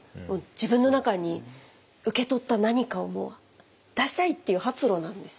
自分の中に受け取った何かをもう出したい！っていう発露なんですね。